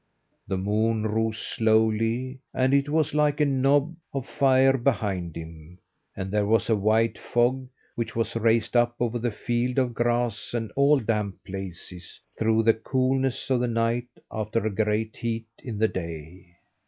The moon rose slowly; and it was like a knob of fire behind him; and there was a white fog which was raised up over the fields of grass and all damp places, through the coolness of the night after a great heat in the day.